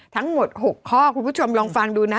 ทั้งหมด๖ข้อคุณผู้ชมลองฟังดูนะ